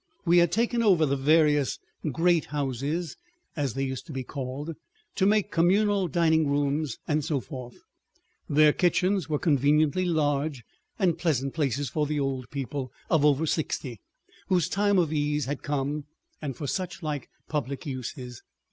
We had taken over the various "great houses," as they used to be called, to make communal dining rooms and so forth—their kitchens were conveniently large—and pleasant places for the old people of over sixty whose time of ease had come, and for suchlike public uses.